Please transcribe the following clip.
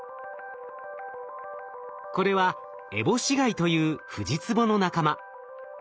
これはエボシガイというフジツボの仲間。